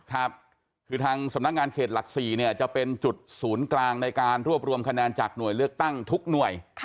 ครับคือทางสำนักงานเขตหลัก๔เนี่ยจะเป็นจุดศูนย์กลางในการรวบรวมคะแนนจากหน่วยเลือกตั้งทุกหน่วย